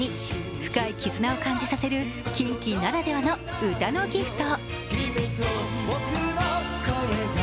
深い絆を感じさせるキンキならではの歌のギフト。